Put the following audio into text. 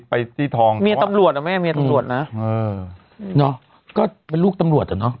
ไปที่ทองเมียตำรวจอ่ะแม่เมียตำรวจนะเออเนอะก็เป็นลูกตำรวจอ่ะเนอะ